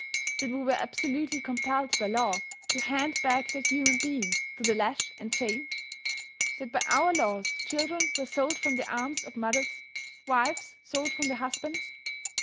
That we were absolutely compelled by law to hand back that human being to the lash and chain? That by our laws children were sold from the arms of mothers, wives sold from their husbands?